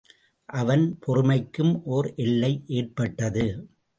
அவன் பொறுமைக்கும் ஒர் எல்லை ஏற்பட்டது.